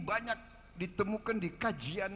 banyak ditemukan di kajian